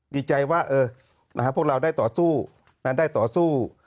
ดีใจว่าเออนะฮะพวกเราได้ต่อสู้การได้ต่อสู้